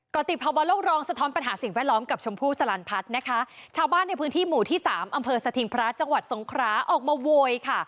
ติภาวะโลกรองสะท้อนปัญหาสิ่งแวดล้อมกับชมพู่สลันพัฒน์นะคะชาวบ้านในพื้นที่หมู่ที่สามอำเภอสถิงพระจังหวัดสงคราออกมาโวยค่ะ